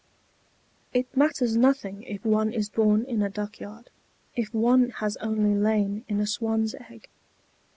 It matters nothing if one is born in a duck yard, if one has only lain in a swan's egg.